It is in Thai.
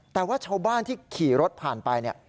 แต่ว่าชาวบ้านที่ขี่รถผ่านไปเนี่ย